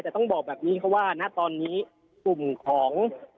แต่ต้องบอกแบบนี้ค่ะว่าณตอนนี้กลุ่มของ